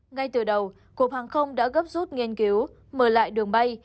ngay từ đầu cục hàng không đã gấp rút nghiên cứu mở lại đường bay